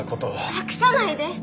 隠さないで！